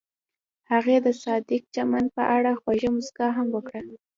هغې د صادق چمن په اړه خوږه موسکا هم وکړه.